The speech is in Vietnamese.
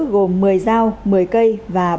gồm một mươi dao một mươi cây và